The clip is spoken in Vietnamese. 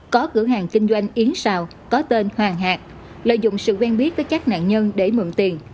có cửa hàng kinh doanh yến xào có tên hoàng hạc lợi dụng sự quen biết với các nạn nhân để mượn tiền